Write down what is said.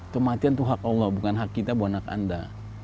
kematian itu hak allah bukan hak kita buat anak anda